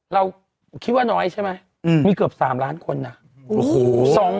เราคิดว่าน้อยใช่ไหมมีเกือบ๓ล้านคนน่ะ๒๙๕๖๑๘๒คน